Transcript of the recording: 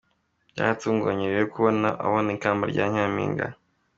"Byarantuguye rero kubona abona ikamba rya Nyampinga".